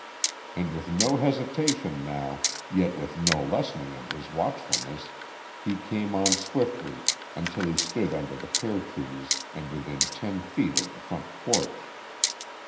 And with no hesitation now, yet with no lessening of his watchfulness, he came on swiftly until he stood under the pear trees and within ten feet of the front porch.